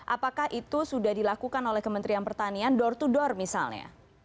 apakah itu sudah dilakukan oleh kementerian pertanian door to door misalnya